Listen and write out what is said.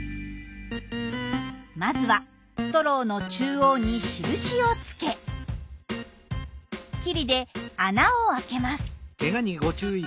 まずはストローの中央に印をつけ錐で穴をあけます。